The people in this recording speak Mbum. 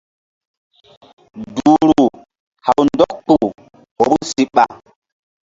Duhru haw ndɔk kpuh vbu siɓa.